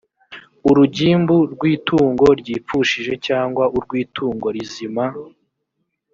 urugimbu rw itungo ryipfushije cyangwa urw itungo rizima